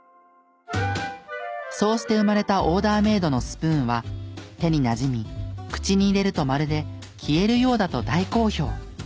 そうして生まれたオーダーメイドのスプーンは手になじみ口に入れるとまるで消えるようだと大好評。